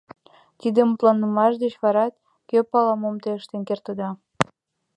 Тиде мутланымаш деч варат, кӧ пала, мом те ыштен кертыда.